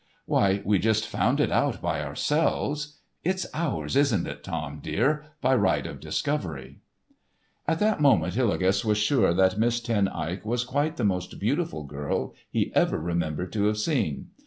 Why, we just found it out by ourselves. It's ours, isn't it, Tom, dear, by right of discovery?" At that moment Hillegas was sure that Miss Ten Eyck was quite the most beautiful girl he ever remembered to have seen.